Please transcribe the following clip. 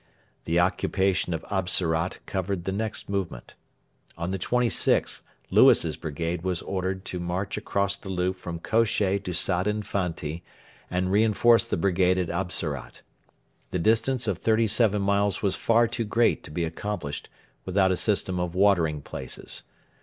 The occupation of Absarat covered the next movement. On the 26th Lewis's brigade was ordered to march across the loop from Kosheh to Sadin Fanti, and reinforce the brigade at Absarat. The distance of thirty seven miles was far too great to be accomplished without a system of watering places.